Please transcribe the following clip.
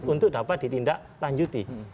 untuk dapat ditindak lanjuti